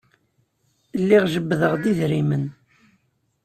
Lliɣ jebbdeɣ-d idrimen.